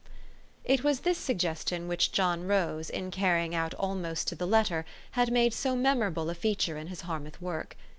It was this suggestion which John Rose, in carry ing out almost to the letter, had made so memorable a feature in his Harmouth work.